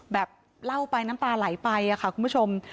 แบบเล่าไปน้ำตาไหลไปค่ะคุณผู้ชม